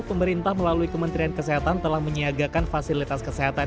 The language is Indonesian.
pemerintah melalui kementerian kesehatan telah menyiagakan fasilitas kesehatan